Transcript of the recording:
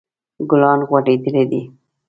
ګلان غوړیدلی دي